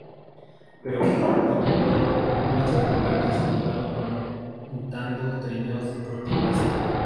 Pero, sobre todo, el oso polar disfrutado montando trineos deportivas.